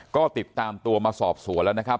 ก็ติดตามตัวมาสอบสวนแล้วนะครับ